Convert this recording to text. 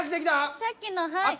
さっきのはい。